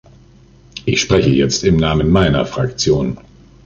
Ich spreche jetzt im Namen meiner Fraktion.